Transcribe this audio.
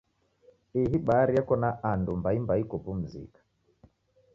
Ihi bahari yeko na andu mbaimbai kopumzika.